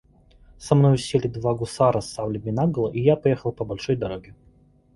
Со мною сели два гусара с саблями наголо, и я поехал по большой дороге.